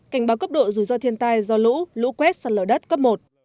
cảnh báo cấp độ rủi ro thiên tai do lũ lũ quét sạt lở đất cấp một